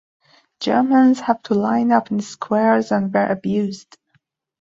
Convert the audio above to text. Germans have to line up in squares and were abused.